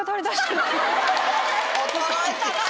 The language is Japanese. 衰えたなぁ。